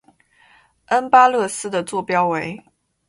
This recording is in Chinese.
恩巴勒斯的座标为。